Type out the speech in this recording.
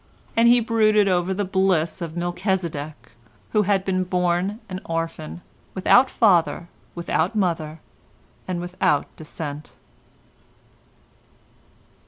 And he brooded over the bliss of Melchisedek who had been born an orphan, without father, without mother, and without descent.